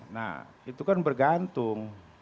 nah itu kan bergantung